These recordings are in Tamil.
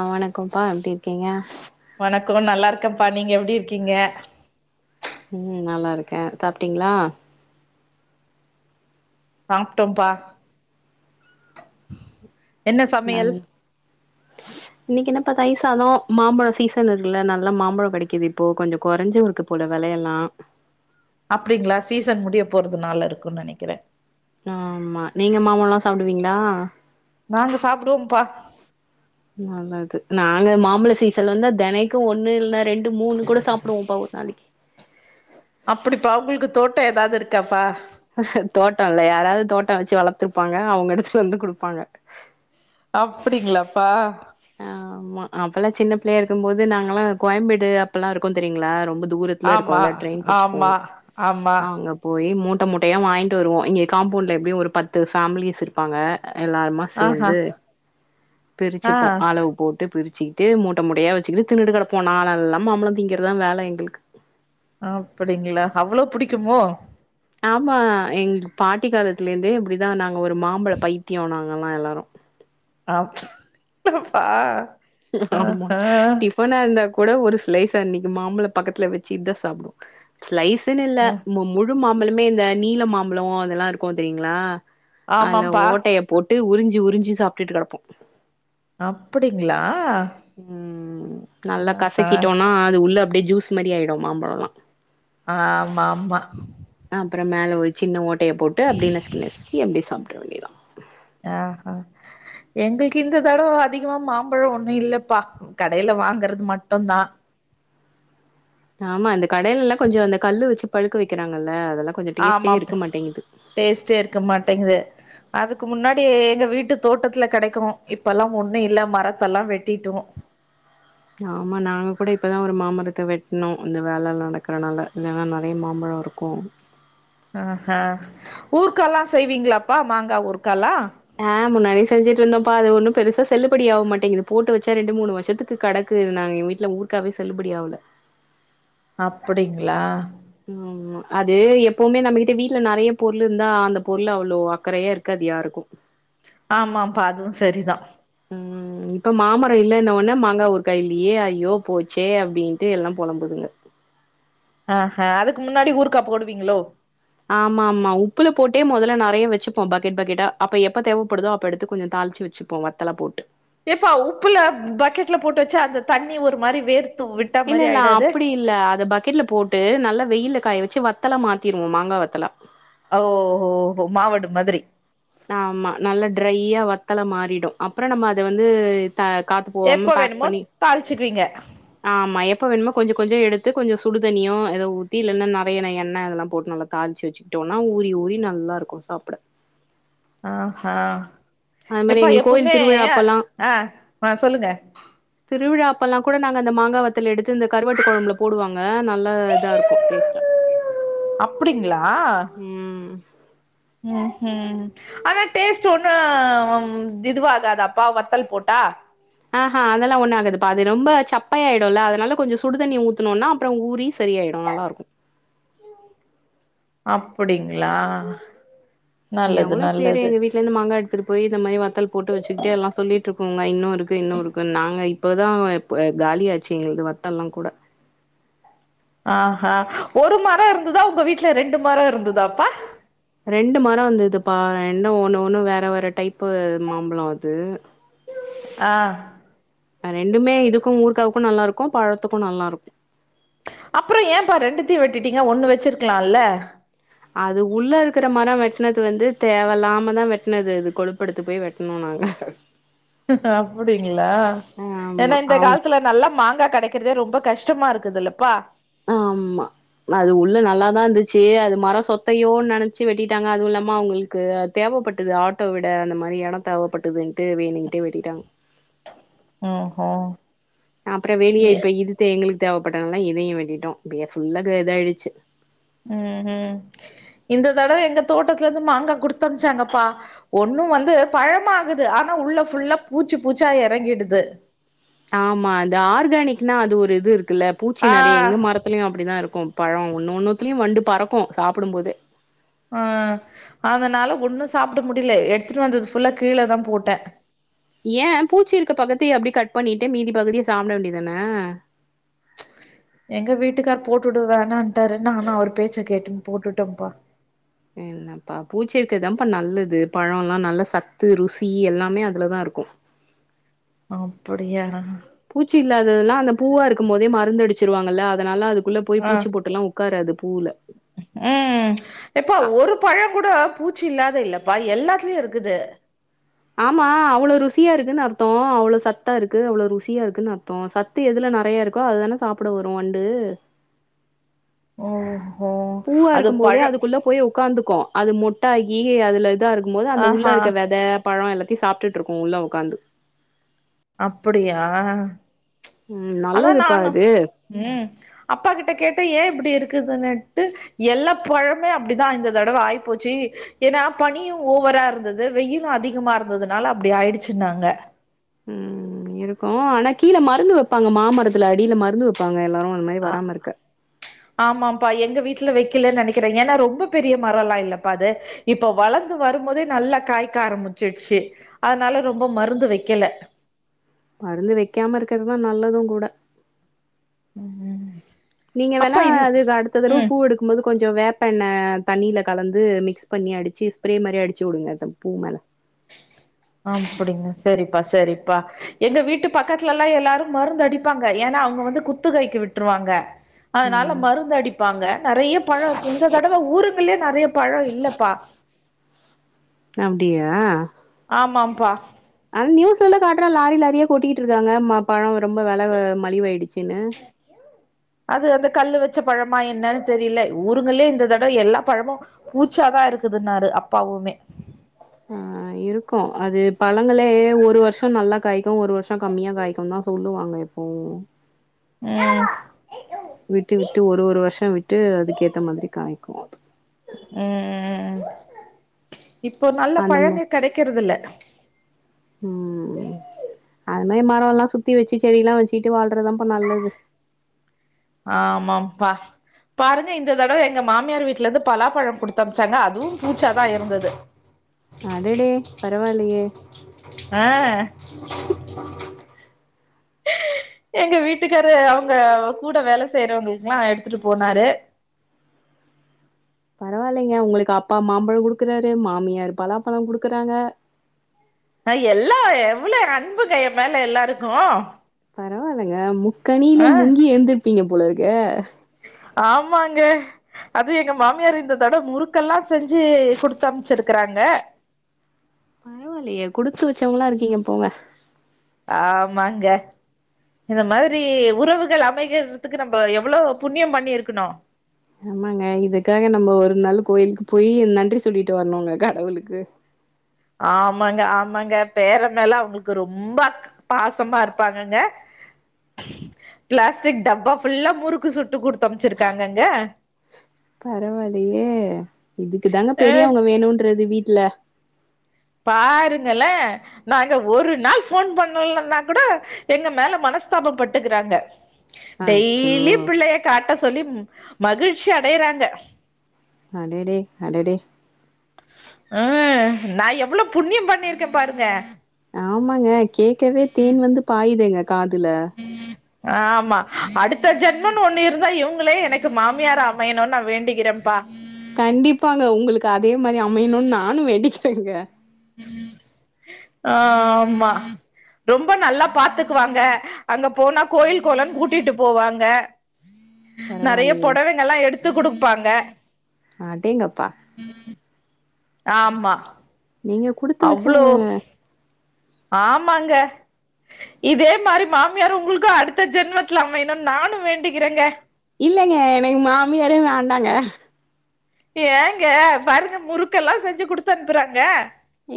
ஆ வணக்கம்ப்பா எப்டி இருக்கீங்க வணக்கோ நல்லா ருக்கேப்பா நீங்க எப்டி இருக்கீங்க ம் நல்லா இருக்கே சாப்பிட்டீங்களா சாப்ட்டோபா நாங்க [inaudible] இன்னைக்கு என்னப்பா தைய்ர்சாதோ அதா மாம்பழோ சீசன் இருக்குல்ல நல்லா மாம்பழோ கெடைக்குது இப்போ கொஞ்ச குறைஞ்சு இருக்கு போல வெளையல்லா அப்டிங்களா சீசன் முடிய போறது நால இருக்குன்னு நெனைக்கிறே ஆ ஆம்மா நீங்க மாம்பழோல்லா சாப்டுவீங்களா நாங்க சாப்டுவோம்ப்பா நல்லது நாங்க மாம்பழ சீசன் வந்தா தினைக்கு ஒண்ணு இல்ன்னா ரெண்டு மூணு கூட சாப்டுவோம்பா ஒரு நாளைக்கு அப்டிப்பா அவங்ளுக்கு தோட்டோ ஏதாவது இருக்காப்பா தோட்டோ இல்ல யாராவது தோட்டம் வெச்சு வளத்துருப்பாங்க அவங்க இடத்துல வந்து குடுப்பாங்க அப்டிங்களாப்பா ஆமா அப்பெல்லா சின்ன பிள்ளையா இருக்கும்போது நாங்கல்லா கோயம்பேடு அப்பல்லா இருக்கு தெரியுங்களா ரொம்ப தூர ஆமா இருக்குல்ல ட்ரெயின் புடிச்சு ஆமா போனும் ஆமா அவங்க போயி மூட்ட மூட்டயா வாங்கிட்டு வருவோ இங்கே காம்பவுண்டில் எப்டியு ஒரு பத்து ஃபேமிலிஸ் இருப்பாங்க எல்லாருமா ஆஹா சேந்து ஆ பிரிச்சுப்போ அளவு போட்டு பிரிச்சுக்ட்டு மூட்ட மூட்டையா வெச்சுகிட்டு திண்ணுட்டு கெடப்போ நாளெல்லா மாம்பழோ திங்கறதா வேல எங்ளுக்கு அப்டிங்களா அவ்ளோ புடிக்குமோ ஆமா எங்க பாட்டி காலத்துலேந்தே இப்டிதா நாங்கள் ஒரு மாம்பழ பைத்தியோ நாங்கல்லா எல்லாரு அப்பப்பா அ அ [unintelligible] அந்த கூட ஒரு ஸ்லைஸா இன்னைக்கு மாம்பழ பக்கத்துல வெச்சுட்டு சாப்டுவே ஸ்லைஸுன்னு இல்லை அ முழு மாம்பழமே இந்த நீல மாம்பழோ அதெல்லா இருக்கு தெரியுங்ளா அதுல ஆமாம்ப்பா ஓட்டையை போட்டு உறிஞ்சி உறிஞ்சி சாப்ட்டுட்டு கெடப்போ அப்புடிங்ளா உம் நல்லா கசக்கிட்டோனா அது உள்ள அப்டியே ஜூஸ் மாரி ஆயிடு மாம்பழல்லா ஆ ஆம்மா ஆம்மா அப்றோ மேல ஒரு சின்ன ஓட்டைய போட்டு அப்டியே நஸ்கி நஸ்கி அப்டி சாப்ட வேண்டியதா ஆ ஹ எங்ளுக்கு இந்த தடவ அதிகமா மாம்பழோ ஒண்ணு இல்லப்பா கடைல வாங்கறது மட்டுந்தா ஆமா அந்த கடைலல்லா கொஞ்ச அந்த கல்லு வெச்சு பழுக்க வைக்கிறாங்கல்ல அதெல்லா கொஞ்சோ டேஸ்ட்டே ஆமாம்ப் இருக்க மாட்டேங்குது டேஸ்டே இருக்க மாட்டேங்குது அதுக் முன்னாடி எங்க வீட்டு தோட்டத்துல கெடைக்கு இப்பல்லா ஒண்ணு இல்ல மரத்தெல்லா வெட்டிட்டோ ஆமா நாங்க கூட இப்பதா ஒரு மாமரத்த வெட்ணோ இந்த வேல நடக்கறனால இல்லனா நெறைய மாம்பழோ இருக்கு [unintelligible] ஆ ஊர்க்கால்லா செய்வீங்களாப்பா மாங்காய் ஊர்க்கால்லா ஆ முன்னாடி செஞ்சிட்டு இருந்தோப்பா அது ஒன்னு பெருசா செல்லுப்படி ஆக மாட்டேங்குது போட்டு வெச்சா ரெண்டு மூணு வருஷத்துக் கடக்கு நாங்க வீட்ல ஊர்க்காவே செல்லுபடி ஆகல அப்புடிங்ளா ஆம்மா அது எப்பவுமே நம்மகிட்ட வீட்ல நெறைய பொருள் இருந்தா அந்த பொருள் அவ்ளவு அக்கறையா இருக்காது யாருக்கு ஆமாப்பா அதுவு சரிதா ம் இப்ப மாமரம் இல்னோன உடன்னே மாங்காய் ஊருகாய்யில்லயே ஐயோ போச்சே அப்டின்ட்டு எல்லா பொழம்புதுங்க ஆ ஹ அதுக்கு முன்னாடி ஊர்க்கா போடுவீங்ளோ ஆம்மா ஆம்மா உப்புல போட்டே மொதல்ல நெறைய வெச்சுப்போ பக்கெட் பக்கெட்டா அப்ப எப்ப தேவப்படுதோ அப்ப எடுத்து கொஞ்ச தாளிச்சு வெச்சு அப்போ வத்தல போட்டு ஏப்பா உப்புல பக்கெட்ல போட்டு வச்சா அந்த தண்ணி ஒரு மாரி வேர்த்து விட்டு இல்ல இல்ல அப்டி இல் இல்ல அத பக்கெட்ல போட்டு நல்லா வெயில்ல காய வச்சு வத்தலா மாத்திருவோ மாங்கா வத்தலா ஓஹோ ஹோ மாவடு மாதிரி ஆமா நல்ல ட்ரையா வத்தல மாறிடு அப்ற நம்ம அத வந்து காத்து போவாம எப்ப பேக் வேணுமோ பண்ணி தாளிச்சுக்குவீங்க ஆமா எப்ப வேணுமொ கொஞ்ச கொஞ்ச எடுத்து கொஞ்ச சுடுதண்ணியோ ஏத ஊத்தி இல்லன்னா நெறைய எண்ணெய்ல்லா போட்டு நல்லா தாளிச்சு வச்சுக்கிட்டோம்னா ஊரி ஊரி நல்லா இருக்கு சாப்பிட ஆ ஹ அது மாரி எப்பா எங்களுக்கு கோயில் எப்பமே திருவிழா அப்பல்லாம் ஆ ஆ சொல்லுங்க திருவிழா அப்பெல்லா கூட நாங்க அந்த மாங்கா வத்துல எடுத்து இந்த கருவாட்டு கொழம்புல போடுவாங்க நல்ல இதா இருக்கு டேஸ்ட்டா அப்டிங்களா ம் ம் ம் ஆனா டேஸ்ட் ஒண்ணு இதுவாகாதாப்பா வத்தல் போட்டா ஆ ஹ அதெல்லா ஒன்னு ஆகதுப்பா அது ரொம்ப சப்பய ஆயிடு இல்ல அதனால கொஞ்ச சுடுதண்ணி ஊத்துனம்னா அப்ற ஊரி சரியாயிடு நல்லாருக்கு அப்டிங்களா நல்லது நல்லது வீட்லந்து மாங்கா எடுத்துட்டு போய் இந்த மாரி வத்தல் போட்டு வச்சுக்கிட்டே எல்லா சொல்லிட்டு இருக்கோங்க இன்னு இருக்கு இன்னு இருக்கு நாங்க இப்போதா இப்ப காலியாச்சி வத்தெல்லா கூட ஆ ஒரு மர இருந்ததா உங்க வீட்டல ரெண்டு மர இருந்ததாப்பா ரெண்டு மர இந்ததுப்பா ரெண்டு ஒண்ணு ஒண்ணு வேற வேற டைப்பு மாம்பழ அது ஆ ரெண்டுமே இதுக்கு ஊர்காவுக்கு நல்லா இருக்கு பழத்துக்கு நல்லா இருக்கு அப்புற ஏன்பா ரெண்டுத்தையு வெட்டிட்டீங்க ஒண்ணு வச்சிருக்கலாம்ல்ல அது உள்ள இருக்கிற மர வெட்னது வந்து தேவ இல்லாமதா வெட்னது இது கொழுப்பெடுத்து போய் வெட்ணோ நாங்க அப்டிங்களா ஆமா. ஏன்னா இந்த அவ் காலத்துல நல்லா மாங்காய் கெட க்கிறதே ரொம்ப கஷ்டமா இருக்குதுல்லப்பா ஆமா அது உள்ள நல்லாதா இருந்துச்சு அது மர சொத்தையோன்னு நெனைச்சு வெட்டிட்டாங்க அதுவு இல்லமா அவங்களுக்கு தேவைப்பட்டது ஆட்டோ விட அந்த மாரி எட தேவைப்பட்டுதுன்ட்டு வேணுக்கிட்டே வெட்டிட்டாங்க ஓஹோ அப்புற வெளிய எ இப்ப இது எங்களுக்கு தேவைப்பட்டனாலா இதையு வெட்டிட்டோ இப்ப ஃபுல்லா இத ஆயிடுச்சு ம் ம் இந்த தடவ எங்க தோட்டத்துல இருந்து மாங்கா குடுத்தனுச்சாங்கப்பா ஒண்ணு வந்து பழமாகுது ஆனா உள்ள ஃபுல்லா பூச்சு பூச்சா எறங்கிடுது ஆமா அது ஆர்கானிக்னா அது ஒரு இது இருக்குல்ல பூச்சி ஆ நெறைய எங்க மரத்துலயு அப்டிதா இருக்கு பழ ஒன்ன ஒன்னுத்துலயு வண்டு பறக்கு சாப்பிடும் போதே ஆ அதனால ஒன்னு சாப்ட முடில எடுத்துட்டு வந்தது ஃபுல்லா கீழதா போட்டே ஏ பூச்சி இருக்க பக்கத்த அப்டி கட் பண்ணிட்டு மீதி பகுதிய சாப்ட வேண்டியதானே எங்க வீட்டுக்கார் போட்டுடு வோனாட்டாரு நானா அவரு பேச்ச கேட்டுன் போட்டுட்டேன்ப்பா என்ன பா பூச்சி இருக்கிறதுதான்ப்பா நல்லது பழ எல்லா நல்ல சத்து ருசி எல்லாமே அதுலதா இருக்கு அப்படியா பூச்சி இல்லாததுல்லா அந்த பூவா இருக்கு போதே மருந்து அடிச்சிருவாங்கல்ல அதனால அது க்குள்ள போய் ஆ பூச்சி பொட்டுல்லா உக்காராது பூவ்ல ம் எப்பா ஒரு பழ கூட பூச்சி இல்லாத இல்லப்பா எல்லாத்துலயு இருக்குது ஆமா அவ்ளோ ருசியா இருக்குன்னு அர்த்த அவ்வளோ சத்தா இருக்கு அவ்ளோ ருசியா இருக்குன்னு அர்த்த சத் சத்து எதுல நெறையா இருக்கோ அதுதானே சாப்பட வரு வண்டு ஓ பூவா இருக்கு போதே அதுக்குள்ள போய் ஒக்காந்துக்கு அது மொட்டாகி அதுல இதா இருக்கு போது அந்த உள்ள ஆஹா இருக்க வெத பழ எல்லாத்தையு சாப்ட்டுட்டு இருக்கு உள்ள உக்காந்து அப்டியா ம் அதா நல்லதுப்பா நானும் அது ம் அப்பா கிட்ட கேட்ட ஏன் இப்டி இருக்குதுன்னட்டு எல்லா பழமே அப்டிதா இந்த தடவ ஆகிப்போச்சு ஏன்னா பனியு ஓவரா இருந்தது வெயிலு அதிகமா இருந்ததுனால அப்டி ஆயிடுச்சுன்னாங்க ம் இருக்கு ஆனா கீழே மருந்து வைப்பாங்க மாமரத்துல அடியில மருந்து வைப்பாங்க எல்லாரு இந்த மாரி ஆ வராம இருக்க ஆமாப்பா எங்க வீட்டுல வைக்கலன்னு நெனைக்கிறே ஏன்னா ரொம்ப பெரிய மரம்லா இல்லப்பா அது இப்ப வளந்து வரும்போதே நல்லா காய்க்க ஆரம்பிச்சடுச்சு அதனால ரொம்ப மருந்து வைக்கல மருந்து வைக்காம இருக்கிறதுதா நல்லது கூட ம் ம் நீங்க வேணா அப்பா இன் அதுக்கு அடுத்த தட பூ எடுக்கு பூக்கும்போது கொஞ்சோ வேப்பண்ணெ தண்ணியில கலந்து மிக்ஸ் பண்ணி அடிச்சு ஸ்ப்ரே மாரி அடிச்சு விடுங்க அ பூ மேலே அப்டிங்க செரிப்பா செரிப்பா எங்க வீட்டு பக்கத்துல்லா எல்லாரு மருந்து அடிப்பாங்க ஏன்னா அவங்க வந்து குத்து கைக்கு விட்டுருவாங்க அதனால ம் மருந்து அடிப்பாங்க நெறைய பழோ இருக்கு இந்த தடவை ஊருக்குள்ளயே நெறைய பழோ இல்லப்பா அப்டியா ஆமாம்பா ஆனா நியூஸ்ல்ல காட்டுறா லாரி லாரியா கொட்டிக்கிட்டு இருக்காங்க ம பழம் ரொம்ப வில மலிவாயிடுச்சுன்னு [inaudible] அது அந்த கல்லு வச்ச பழமா என்னன்னு தெரியல ஊருங்களயே இந்த தட எல்லா பழமும் பூச்சாதான் இருக்குதுன்னாரு அப்பாவுமே அ இருக்கு அது பழங்களே ஒரு வருஷோ நல்லா காய்க இப்ப ஒரு வருஷம் கம்மியா காய்க்கு தா சொல்லுவாங்க இப்போவும் ம் விட்டு விட்டு ஒரு ஒரு வருஷோ விட்டு அதுக்கேத்த மாதிரி காமிக்கு ம் இப்போ நல்ல அந்தம பழங்க கெடைக்கிறது இல்ல ம் அது மாரி மரம் எல்லா சுத்தி வச்சு செடியல்லா வச்சுட்டு வாழ்றதுதாப்பா நல்லது ஆமாப்பா பாருங்க இந்த தடவ எங்க மாமியார் வீட்ல இருந்து பலாப்பழம் குடுத்து அம்ச்சாங்க அதுவும் பூச்சாதா இருந்தது அடடே பரவாயில்லயே அ எங்க வீட்டுக்காரு அவங்க கூட வேல செய்றவங்களுக்குல்லா எடுத்துட்டு போனாரு பரவாயில்லைங்க உங்களுக்கு அப்பா மாம்பழோ குடுக்குறாரு மாமியாரு பலாப்பழோ குடுக்குறாங்க ஹ எல்லா எவ்ளோ அன்புங்க எ மேல எல்லாருக்கு பரவாயில்லங்க முக்கனில ஆ முங்கி எழுந்துருப்பீங்க போலருக்கு ஆமாங்க அதுவு எங்க மாமியார் இந்ததட முறுக்கெல்லா செஞ்சு குடுத்து அனுப்ச்சுருக்குறாங்க பரவாயில்லயே குடுத்து வச்சவங்கலா இருக்கீங்க போங்க ஆமாங்க இந்த மாதிரி உறவுகள் அமைகிறதுக்கு நம்ம எவ்வளோ புண்ணியோ பண்ணிருக்கணு ஆமாங்க இதுக்காக நம்ம ஒரு நாள் கோயிலுக்கு போய் நன்றி சொல்லிட்டு வர்ணுங்க கடவுளுக்கு ஆமாங்க ஆமாங்க பேரன் மேல அவுங்ளுக்கு ரொம்பா க் பாசமா இருப்பாங்கங்க பிளாஸ்டிக் டப்பா ஃபுல்லா முறுக்கு சுட்டு குடுத்து அம்ச்சிருக்காங்கங்க பரவாயில்லயே இதுக்கு தாங்க பெரியவ்ங்க வேணுன்றது வீட்ல பாருங்கள நாங்க ஒரு நாள் ஃபோன் பண்ணுலன்னா கூட எங்க மேல மனஸ்தாபம் பட்டுக்குறாங்க அச்சோ டெய்லியு பிள்ளைய காட்ட சொல்லி மகிழ்ச்சி அடைறாங்க அடடே அடடே ஆ நா எவுளோ புண்ணியம் பண்ணிருக்கே பாருங்க ஆமாங்க கேக்கவே தேன் வந்து பாயுதேங்க காதுல [inaudible] ஆமா அடுத்த ஜென்மோன் ஒன்னு இருந்தா இவுங்களே எனக்கு மாமியாரா அமையணுன் நான் வேண்டிகிறேன்பா கண்டிப்பாங்க உங்களுக்கு அதே மாரி அமையணுன் நானு வேண்டிக்கிறேங்க ஆ ஆமா ரொம்ப நல்லா பாத்துக்குவாங்க அங்க போனா கோயில் கொளொன் கூட்டிட்டு போவாங்க நெறையா பரவாயில்லையே பொடவைங்களா எடுத்து குடுப்பாங்க அடேங்கப்பா ஆமா நீங்க குடுத்து அவுளோ வச்சவங்க ஆமாங்க இதே மாரி மாமியார் உங்குளுக்கு அடுத்த ஜென்மத்துல அமையனுன் நானு வேண்டிக்கிறேங்க இல்லைங்க எனக்கு மாமியாரே வேண்டாங்க ஏங்க பாருங்க முறுக்கெல்லா செஞ்சு குடுத்து அனுப்புறாங்க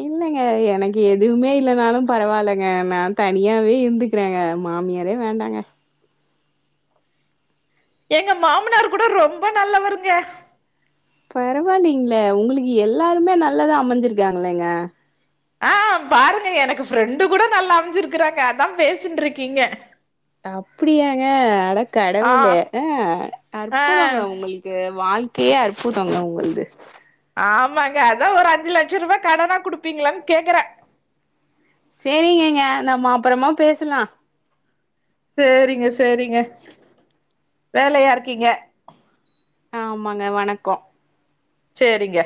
இல்லங்க எனக்கு எதுவ்மே இல்லனாலு பரவாயில்லங்க நா தனியாவே இருந்துக் கிறேங்க மாமியாரே வேண்டாங்க எங்க மாமனாரு கூட ரொம்ப நல்லவருங்க பரவாயில்லிங்ளே உங்களுக்கு எல்லாருமே நல்லதா அமஞ்சிருக்காங்களேங்க ஆ பாருங்க எனக்கு ஃப்ரெண்டு கூட நல்லா அமஞ்சிருக்குறாங்க அதா பேசிட்ருக்கீங்க அப்புடியாங்க அட ஆ கடவுளே ஆ ஆ அற்புதோங்க உங்களுக் கு வாழ்க்கையே அற்புதோங்க உங்கள்து ஆமாங்க அதா ஒரு அஞ்சு லட்சருவா கடனா குடுப்பீங்குளான் கேக்குற சேரிகேங்க நம்ம அப்புறமா பேசுலா சேரிங்க சேரிங்க வேலயா இருக்கீங்க ஆ ஆமாங்க வணக்கோ சேரிங்க